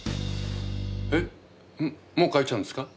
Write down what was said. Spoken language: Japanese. えっもう帰っちゃうんですか？